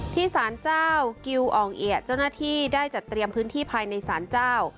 ที่สารเจ้ากิวอ่องเอียดเจ้าหน้าที่ได้จัดเตรียมพื้นที่ภายในศาลเจ้า